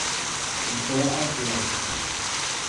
Ŋ kɛ a dion.